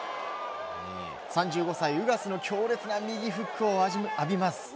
３５歳、ウガスの強烈な右フックを浴びます。